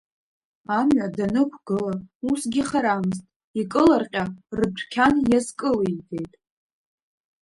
Амҩа данықәгыла, усгьы харамызт, икылырҟьа рыдәқьан иазкылигеит.